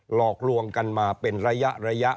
หลอกลวงกันมาเป็นระยะ